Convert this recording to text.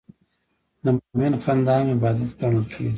د مؤمن خندا هم عبادت ګڼل کېږي.